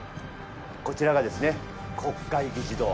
こちらがですね、国会議事堂。